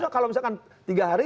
kalau misalkan tiga hari